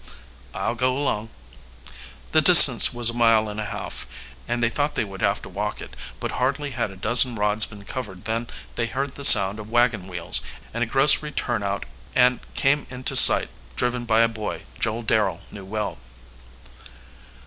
"I'll go along." The distance was a mile and a half, and they thought they would have to walk it, but hardly had a dozen rods been covered than they heard the sound of wagon wheels, and a grocery turnout and came into sight driven by a boy Joel Darrel knew well.